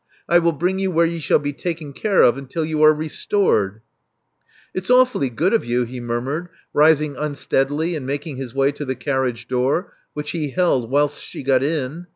I will bring you where you shall be taken care of until you are restored." *'It's awfully good of you," he murmured, rising unsteadily and making his way to the carriage door, which he held whilst she got in.